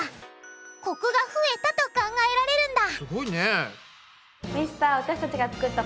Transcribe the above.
コクが増えたと考えられるんだすごいね。